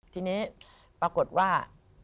ทีนี้ปรากฏว่า